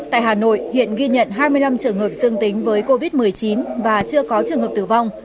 tại hà nội hiện ghi nhận hai mươi năm trường hợp dương tính với covid một mươi chín và chưa có trường hợp tử vong